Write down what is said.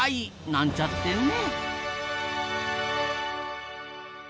なんちゃってね。